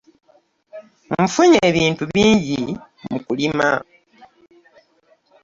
Nfunye ebintu bingi mu kulima.